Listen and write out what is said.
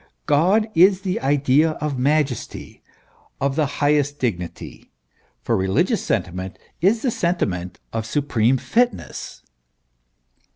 God is the idea of majesty, of the highest dignity : the religious sentiment is the sentiment of supreme fitness.